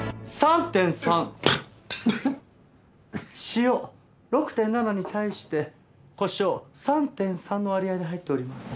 塩６．７に対してコショウ３．３の割合で入っております。